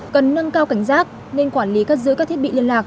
cần nâng cao cảnh giác nên quản lý cất giữ các thiết bị liên lạc